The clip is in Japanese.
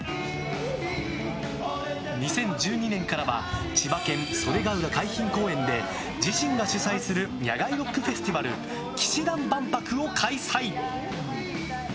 ２０１２年からは千葉県、袖ケ浦海浜公園で自身が主催する野外ロックフェスティバル氣志團万博を開催。